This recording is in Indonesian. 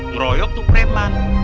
ngeroyok tuh preman